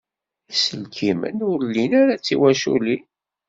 Iselkimen ur lin ara tiwaculin.